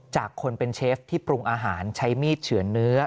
จากคนเป็นเชฟที่ปรุงอาหารใช้มีดเฉือนเนื้อ